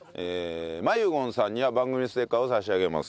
真由ゴンさんには番組のステッカーを差し上げます。